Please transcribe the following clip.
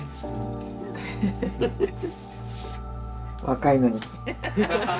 若いのに。